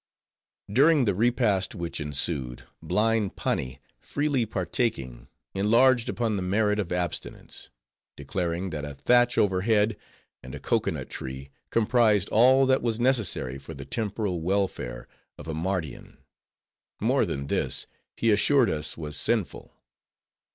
During the repast which ensued, blind Pani, freely partaking, enlarged upon the merit of abstinence; declaring that a thatch overhead, and a cocoanut tree, comprised all that was necessary for the temporal welfare of a Mardian. More than this, he assured us was sinful.